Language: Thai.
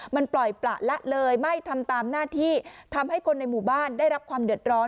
มันปล่อยประละเลยไม่ทำตามหน้าที่ทำให้คนในหมู่บ้านได้รับความเดือดร้อน